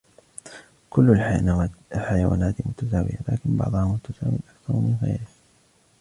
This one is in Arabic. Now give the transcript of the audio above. كل الحيوانات متساوية ، لكن بعضها متساوٍ أكثر من غيرها.